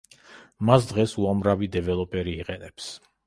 მას დღეს უამრავი დეველოპერი იყენებს.